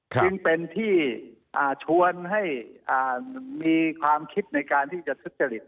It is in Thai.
จึงเป็นที่ชวนให้มีความคิดในการที่จะทุจริต